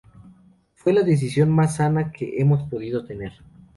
Fue la decisión más sana que hemos podido tener"".